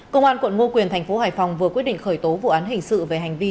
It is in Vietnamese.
công an quận ngo quyền thành phố hải phòng vừa quyết định khởi tố vụ án hình sự về hành vi